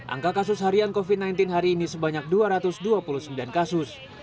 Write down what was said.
angka kasus harian covid sembilan belas hari ini sebanyak dua ratus dua puluh sembilan kasus